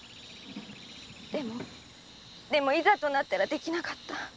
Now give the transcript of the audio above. でもいざとなったらできなかった。